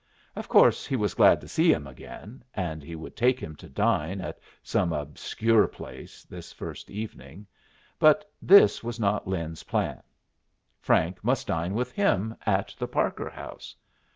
Of course he was glad to see him again, and he would take him to dine at some obscure place this first evening. But this was not Lin's plan. Frank must dine with him, at the Parker House.